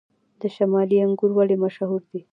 د شمالي انګور ولې مشهور دي؟